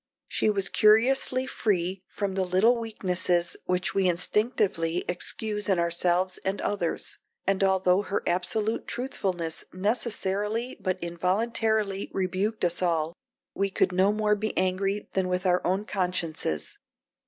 She was curiously free from the little weaknesses which we instinctively excuse in ourselves and others, and although her absolute truthfulness necessarily but involuntarily rebuked us all, we could no more be angry than with our own consciences.